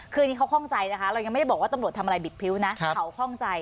คืออันนี้เขาข้องใจนะคะเรายังไม่ได้บอกว่าตำรวจทำอะไรบิดพริ้วนะเขาคล่องใจ